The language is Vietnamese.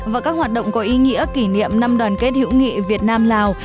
và các hoạt động có ý nghĩa kỷ niệm năm đoàn kết hữu nghị việt nam lào